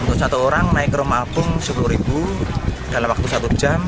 untuk satu orang naik ke rumah apung sepuluh ribu dalam waktu satu jam